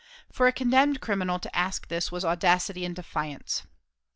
For a condemned criminal to ask this was audacity and defiance.